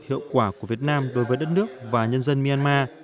hiệu quả của việt nam đối với đất nước và nhân dân myanmar